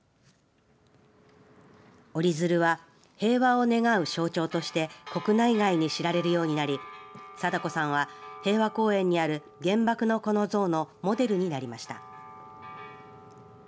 折り鶴は平和を願う象徴として国内外に知られるようになり禎子さんは平和公園にある原爆の子の像のモデルになりました。